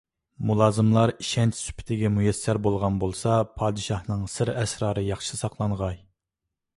مۇلازىملار ئىشەنچ سۈپىتىگە مۇيەسسەر بولغان بولسا، پادىشاھنىڭ سىر - ئەسرارى ياخشى ساقلانغاي.